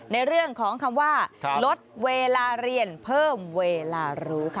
ในเรื่องของคำว่าลดเวลาเรียนเพิ่มเวลารู้ค่ะ